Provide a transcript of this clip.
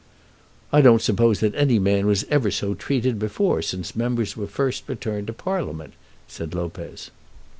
"I don't suppose that any man was ever so treated before, since members were first returned to Parliament," said Lopez.